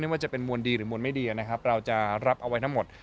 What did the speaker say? ว่าจะเป็นมวลดีหรือมวลไม่ดีนะครับเราจะรับเอาไว้ทั้งหมด